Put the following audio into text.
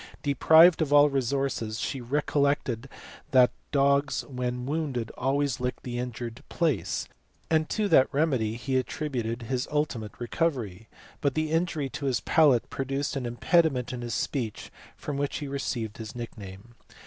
Deprived of all resources she recollected that dogs when wounded always licked the injured place, and to that remedy he attributed his ultimate recovery, but the injury to his palate produced an impediment in his speech from which he received his nickname.